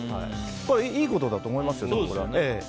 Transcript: いいことだと思います。